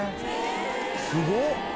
すごっ！